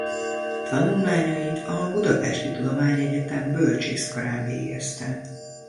Tanulmányait a budapesti tudományegyetem bölcsészkarán végezte.